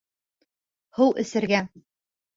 Һыу эсергә.